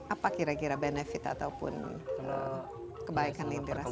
apa kira kira benefit ataupun kebaikan yang dirasakan